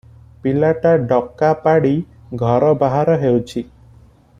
ପିଲାଟା ଡକା ପାଡ଼ି ଘର ବାହାର ହେଉଛି ।